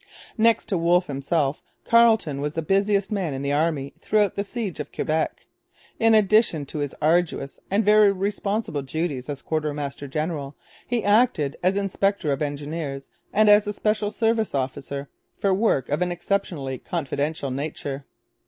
Next to Wolfe himself Carleton was the busiest man in the army throughout the siege of Quebec. In addition to his arduous and very responsible duties as quartermaster general, he acted as inspector of engineers and as a special service officer for work of an exceptionally confidential nature.